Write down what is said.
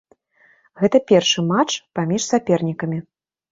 Гэта першы матч паміж сапернікамі.